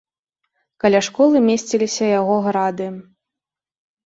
Каля школы месціліся яго грады.